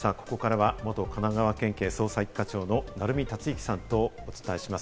ここからは元神奈川県警捜査一課長の鳴海達之さんとお伝えしていきます。